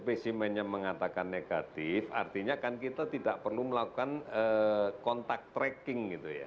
spesimennya mengatakan negatif artinya kan kita tidak perlu melakukan kontak tracking gitu ya